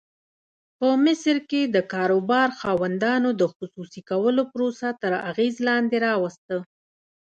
په مصر کې د کاروبار خاوندانو د خصوصي کولو پروسه تر اغېز لاندې راوسته.